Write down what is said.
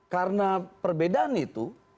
karena perbedaan itu